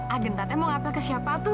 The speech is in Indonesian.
agenta mau ngapel ke siapa tuh